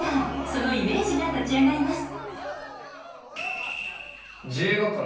そのイメージが立ち上がります。